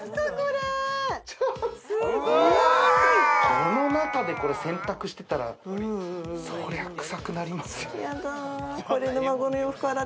この中で洗濯してたらそりゃくさくなりますよやだ